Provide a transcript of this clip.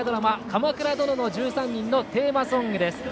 「鎌倉殿の１３人」のテーマソングです。